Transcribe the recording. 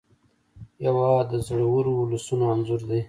هېواد د زړورو ولسونو انځور دی.